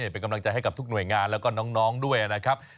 เป็นกำลังใจให้กับทุกหน่วยงานแล้วก็น้องด้วยนะครับ